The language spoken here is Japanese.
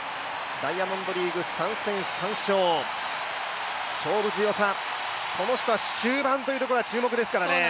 ダイヤモンドリーグ３戦３勝、勝負強さ、この人は終盤というところが注目ですからね。